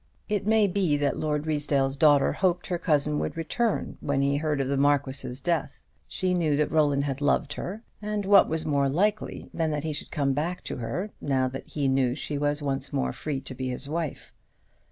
It may be that Lord Ruysdale's daughter hoped her cousin would return when he heard of the Marquis's death. She knew that Roland had loved her: and what was more likely than that he should come back to her, now that he knew she was once more free to be his wife?